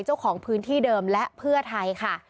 เจ้าของพื้นที่เดิมและเพื่อไทยค่ะ